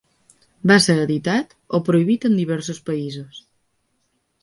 Va ser editat o prohibit en diversos països.